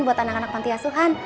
buat anak anak pantai asuhan